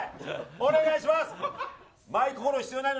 お願いします。